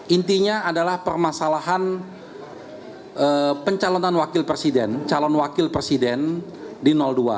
intinya adalah permasalahan pencalonan wakil presiden calon wakil presiden di dua